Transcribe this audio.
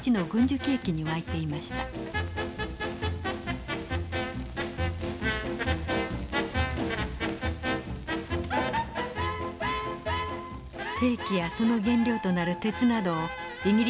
兵器やその原料となる鉄などをイギリスやフランスに輸出。